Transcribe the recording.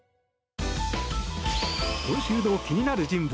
今週の気になる人物